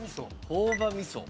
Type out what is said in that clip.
朴葉味噌。